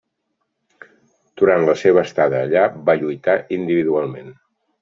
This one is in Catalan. Durant la seva estada allà van lluitar individualment.